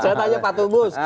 saya tanya pak terubus